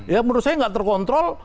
ya menurut saya nggak terkontrol